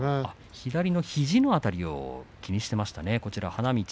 左の肘の辺りを気にしていました。